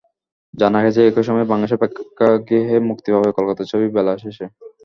জানা গেছে, একই সময়ে বাংলাদেশের প্রেক্ষাগৃহে মুক্তি পাবে কলকাতার ছবি বেলা শেষে।